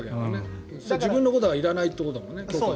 自分のことはいらないということだよね。